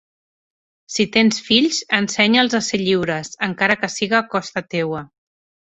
Si tens fills, ensenya'ls a ser lliures. Encara que siga a costa teua.